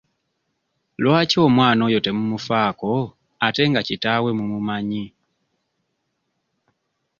Lwaki omwana oyo temumufaako ate nga kitaawe mumumanyi?